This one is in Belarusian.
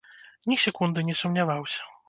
Ні секунды не сумняваўся.